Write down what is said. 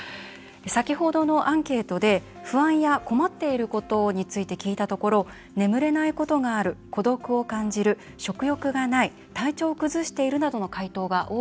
先ほどのアンケートで不安や困っていることについて聞いたところ眠れないことがある孤独を感じる食欲がない体調を崩しているなどの回答が多くありました。